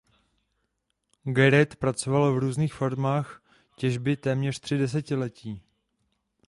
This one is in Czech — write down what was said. Gareth pracoval v různých formách těžby téměř tři desetiletí.